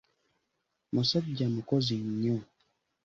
Musajja mukozi nnyo.